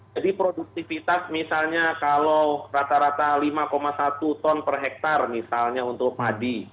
jadi produktivitas misalnya kalau rata rata lima satu ton per hektar misalnya untuk padi